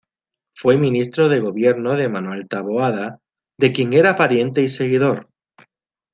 Fue Ministro de Gobierno de Manuel Taboada, de quien era pariente y seguidor.